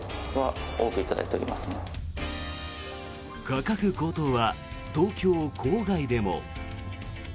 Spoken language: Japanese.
価格高騰は東京郊外でも。